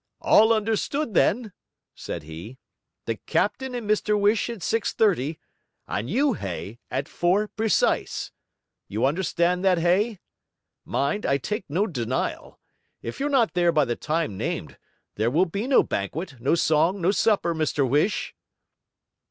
'All understood, then?' said he. 'The captain and Mr Whish at six thirty, and you, Hay, at four precise. You understand that, Hay? Mind, I take no denial. If you're not there by the time named, there will be no banquet; no song, no supper, Mr Whish!'